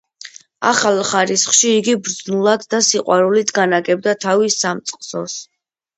ახალ ხარისხში იგი ბრძნულად და სიყვარულით განაგებდა თავის სამწყსოს.